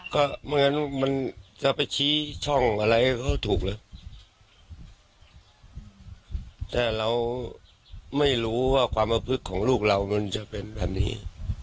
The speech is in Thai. ก็ไม่งั้นมันจะไปชี้ช่องอะไรเขาถูกเลยแต่เราไม่รู้ว่าความประพฤกษ์ของลูกเรามันจะเป็นแบบนี้